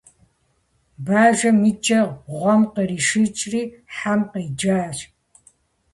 - Бажэм и кӏэр гъуэм къришиикӏри, хьэм къеджащ.